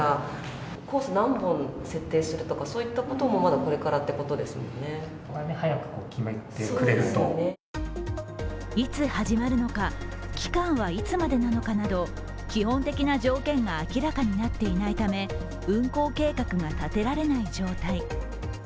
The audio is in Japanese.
しかしいつ始まるのか、期間はいつまでなのかなど基本的な条件が明らかになっていないため運行計画が立てられない状態。